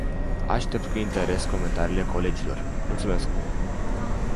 Aștept cu interes comentariile colegilor, mulțumesc.